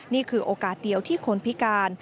นี่คือโอกาสเดียวที่คนพิการ